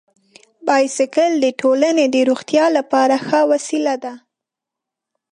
بایسکل د ټولنې د روغتیا لپاره ښه وسیله ده.